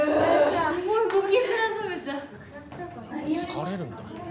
疲れるんだ。